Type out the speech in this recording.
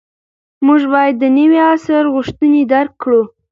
موږ باید د نوي عصر غوښتنې درک کړو.